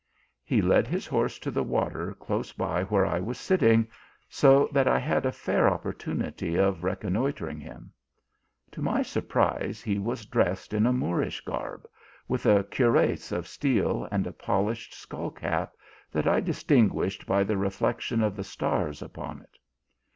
" He led his horse to the water close by where I was sitting, so that I had a fair opportunity of re connoitring him. To my surprise, he was dressed in a Moorish garb, with a cuirass of steel, and a polished skullcap, that I distinguished by the reflec tion of the stars upon it.